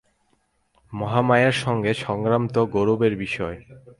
মহামায়ার সঙ্গে সংগ্রাম তো গৌরবের বিষয়।